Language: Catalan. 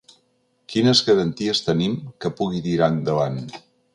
Quines garanties tenim que pugui tirar endavant?